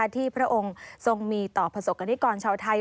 ที่พระองค์ทรงมีต่อผสกกนิกรเช่าไทย